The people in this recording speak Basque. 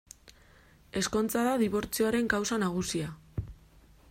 Ezkontza da dibortzioaren kausa nagusia.